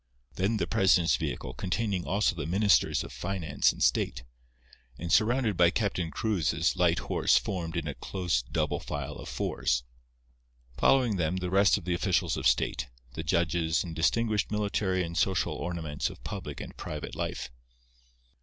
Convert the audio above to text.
Then the president's vehicle, containing also the Ministers of Finance and State; and surrounded by Captain Cruz's light horse formed in a close double file of fours. Following them, the rest of the officials of state, the judges and distinguished military and social ornaments of public and private life.